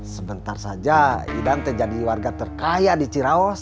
sebentar saja idante jadi warga terkaya di ciraos